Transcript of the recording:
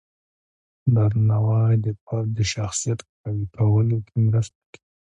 درناوی د فرد د شخصیت قوی کولو کې مرسته کوي.